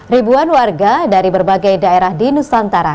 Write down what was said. ribuan warga dari berbagai daerah di nusantara